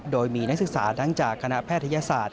โดยมีนักศึกษาทั้งจากคณะแพทยศาสตร์